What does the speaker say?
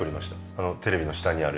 あのテレビの下にある。